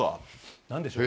何でしょう？